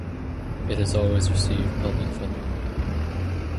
It has always received public funding.